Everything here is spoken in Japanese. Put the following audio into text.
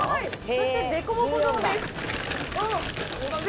そして凸凹ゾーンです。